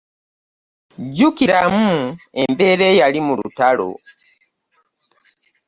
Jukiramu embeera eyali mu lutalo.